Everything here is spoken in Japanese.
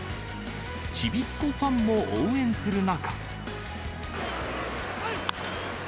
ちびっ子ファンも応援する中。